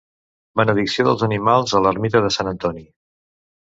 Benedicció dels animals a l'ermita de Sant Antoni.